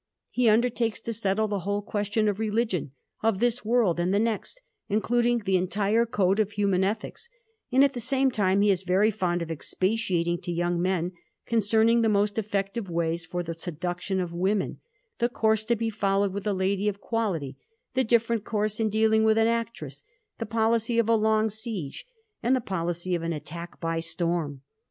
He undertakes to settle the whole question of religion, of this world and the next, including the entire code of human ethics ; and at the same time he is very fond of expatiating to young men concerning the most effective ways for the seduction of women, the course to be followed with a lady of quality, the different course in dealing with an actress, the policy of a long^ siege, and the policy of an attack by storm.